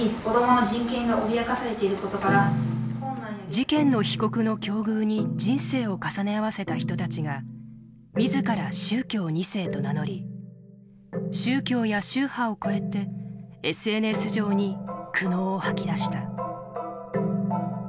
事件の被告の境遇に人生を重ね合わせた人たちが自ら宗教２世と名乗り宗教や宗派を超えてＳＮＳ上に苦悩を吐き出した。